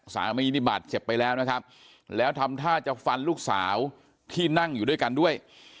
สามีนี่บาดเจ็บไปแล้วนะครับแล้วทำท่าจะฟันลูกสาวที่นั่งอยู่ด้วยกันด้วย